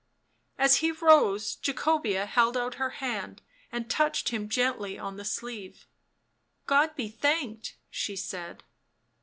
As he rose Jacobea held out her hand and touched him gently on the sleeve. " God be thanked," she said.